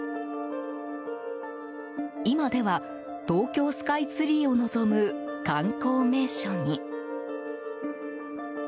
今では、東京スカイツリーを望む観光名所に。